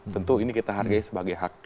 tentu ini kita hargai sebagai hak